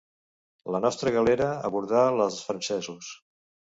La nostra galera abordà la dels francesos.